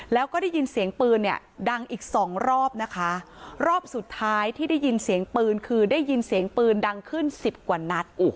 แล้วก็ได้ยินเสียงปืนเนี่ยดังอีกสองรอบนะคะรอบสุดท้ายที่ได้ยินเสียงปืนคือได้ยินเสียงปืนดังขึ้นสิบกว่านัด